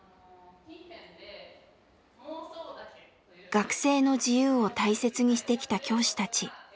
学生の自由を大切にしてきた教師たち。